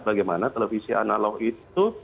bagaimana televisi analog itu